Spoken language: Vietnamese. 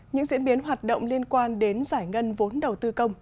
những diễn biến hoạt động liên quan đến giải ngân vốn đầu tư công